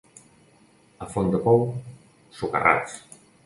A Fontdepou, socarrats.